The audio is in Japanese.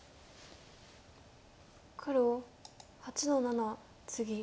黒８の七ツギ。